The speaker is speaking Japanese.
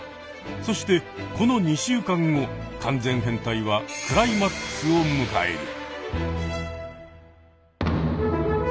そしてこの２週間後完全変態はクライマックスをむかえる！